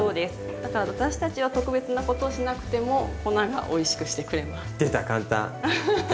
だから私たちが特別なことをしなくても粉がおいしくしてくれます。